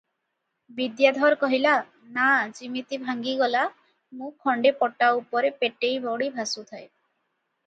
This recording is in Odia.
ବିଦ୍ୟାଧର କହିଲା, "ନାଆ ଯିମିତି ଭାଙ୍ଗିଗଲା, ମୁଁ ଖଣ୍ଡେ ପଟା ଉପରେ ପେଟେଇ ପଡ଼ି ଭାସୁଥାଏଁ ।